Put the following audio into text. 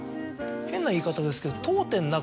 変な言い方ですけど。